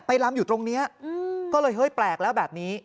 ไปรำอยู่ตรงนี้ก็เลยแปลกแล้วแบบนี้